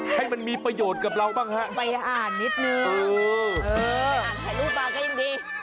ให้มันมีประโยชน์กับเราบ้างฮะไปอ่านนิดนึงอ่านถ่ายรูปมาก็ยังดี